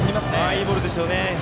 いいボールですよね。